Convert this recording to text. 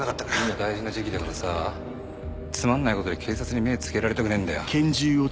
今大事な時期だからさつまんないことで警察に目つけられたくねえんだよ。